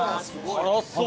辛そう！